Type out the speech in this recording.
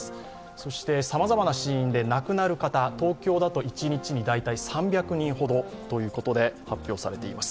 そしてさまざまな死因で亡くなる方、東京だと一日に３００人ほどと発表されています。